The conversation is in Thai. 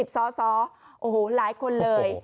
๒๐สอโอ้โหรายคนเลย